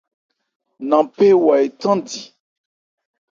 Nanphé wa ethándi.